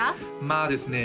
まあですね